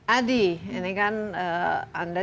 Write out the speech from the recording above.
adi ini kan anda